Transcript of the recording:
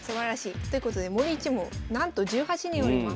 ということで森一門なんと１８人おります。